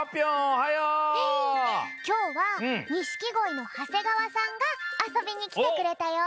きょうは錦鯉の長谷川さんがあそびにきてくれたよ。